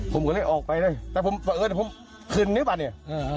ผมก็เลยออกไปเลยแต่ผมประอาจจะขึ้นรึเปล่านี่